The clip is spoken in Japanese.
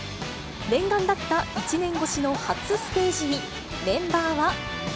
念願だった１年越しの初ステージにメンバーは。